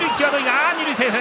二塁セーフ！